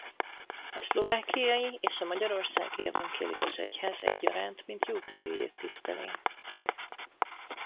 A szlovákiai és a Magyarországi Evangélikus Egyház egyaránt mint jótevőjét tiszteli.